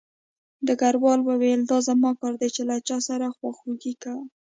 ډګروال وویل دا زما کار دی چې له چا سره خواخوږي کوم